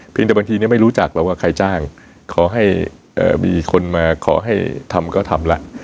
เพียงแต่บางทีเนี่ยไม่รู้จักแล้วว่าใครจ้างขอให้มีคนมาขอให้ทำก็ทำละ